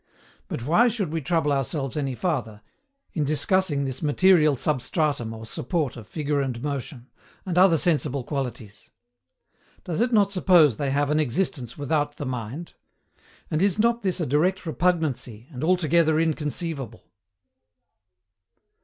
But why should we trouble ourselves any farther, in discussing this material SUBSTRATUM or support of figure and motion, and other sensible qualities? Does it not suppose they have an existence without the mind? And is not this a direct repugnancy, and altogether inconceivable?